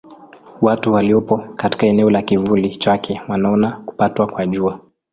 Watu waliopo katika eneo la kivuli chake wanaona kupatwa kwa Jua.